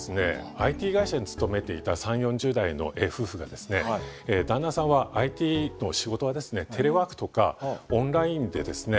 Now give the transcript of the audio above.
ＩＴ会社に勤めていた３０４０代の夫婦がですね旦那さんはＩＴの仕事はですねテレワークとかオンラインでですね